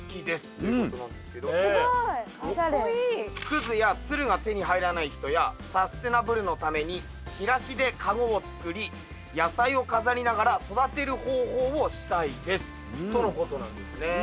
「葛やつるが手に入らない人やサステナブルのためにチラシで籠を作り野菜を飾りながら育てる方法をしたいです」とのことなんですね。